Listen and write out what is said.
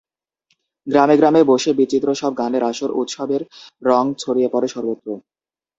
গ্রামে গ্রামে বসে বিচিত্র সব গানের আসর, উৎসবের রং ছড়িয়ে পড়ে সর্বত্র।